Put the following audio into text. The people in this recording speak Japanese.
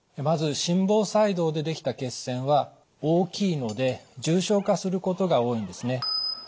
まず心房細動でできた血栓は大きいので重症化することが多いんですね。